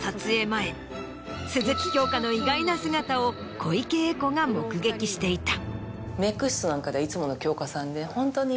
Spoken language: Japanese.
前鈴木京香の意外な姿を小池栄子が目撃していた。